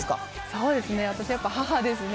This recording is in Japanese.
そうですね、私やっぱり母ですね。